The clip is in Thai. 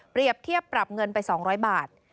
เปรียบเทียบปรับเงินไป๒๐๐บาท